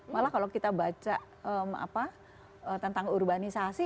malah kalau kita baca tentang urbanisasi